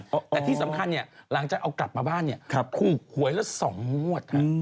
แต่ที่สำคัญหลังจากเอากลับมาบ้านคุยแล้วสองหมวดค่ะ